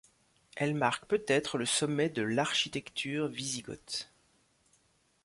Elle marque peut-être le sommet de l'architecture wisigothe.